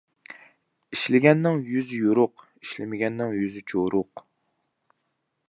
ئىشلىگەننىڭ يۈزى يورۇق، ئىشلىمىگەننىڭ يۈزى چورۇق.